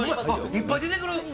いっぱい出てくる。